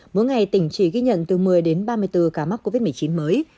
mỗi ngày tỉnh chỉ ghi nhận từ một mươi đến ba mươi bốn ca mắc covid một mươi chín mới